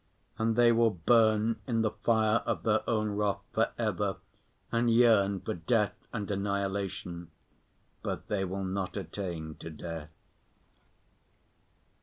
And they will burn in the fire of their own wrath for ever and yearn for death and annihilation. But they will not attain to death....